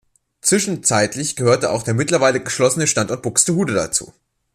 Zwischenzeitlich gehörte auch der mittlerweile geschlossene Standort Buxtehude dazu.